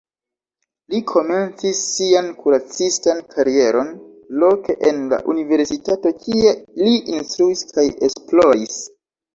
Li komencis sian kuracistan karieron loke en la universitato, kie li instruis kaj esploris.